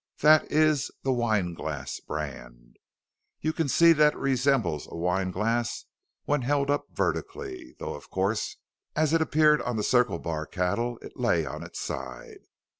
"That is the 'Wine Glass' brand. You can see that it resembles a wine glass when held up vertically, though of course as it appeared on the Circle Bar cattle it lay on its side.